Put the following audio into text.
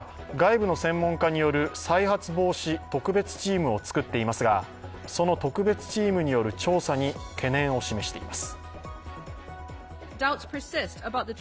ジャニーズ事務所は外部の専門家による再発防止特別チームを作っていますが、その特別チームによる調査に懸念を示しています。